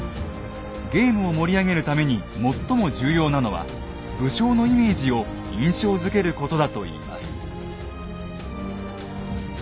ゲームを盛り上げるために最も重要なのは武将のイメージを印象づけることだといいます。